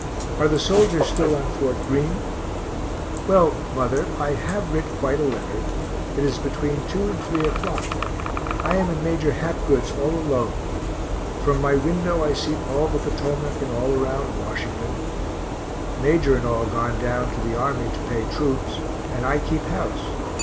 Are the soldiers still on Fort Greene? Well, mother, I have writ quite a letter it is between 2 and 3 o'clock I am in Major Hapgood's all alone from my window I see all the Potomac, and all around Washington Major and all gone down to the army to pay troops, and I keep house.